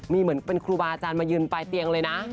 มีเหมือนเป็นครูบาอาจารย์มายืนปลายเตียงเลยนะ